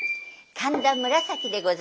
神田紫でございます。